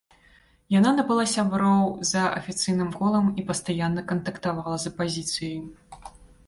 Яна набыла сяброў за афіцыйным колам і пастаянна кантактавала з апазіцыяй.